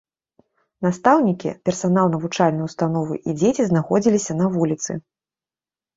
Настаўнікі, персанал навучальнай установы і дзеці знаходзіліся на вуліцы.